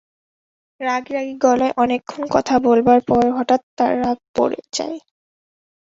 রাগী-রাগী গলায় অনেকক্ষণ কথা বলবার পর, হঠাৎ তার রাগ পড়ে যায়।